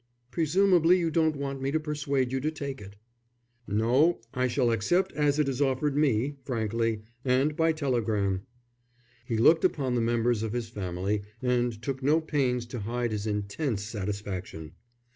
"Presumably you don't want me to persuade you to take it." "No, I shall accept as it is offered me, frankly and by telegram." He looked upon the members of his family and took no pains to hide his intense satisfaction.